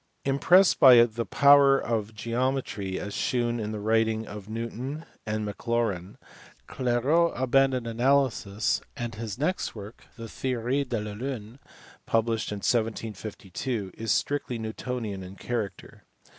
Impressed by the power of geometry as shewn in the writ ings of Newton and Maclaurin, Clairaut abandoned analysis, and his next work, the Theorie de la lune, published in 1752, is strictly Newtonian in character.